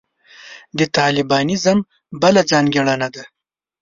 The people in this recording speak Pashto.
د طالبانیزم بله ځانګړنه ده.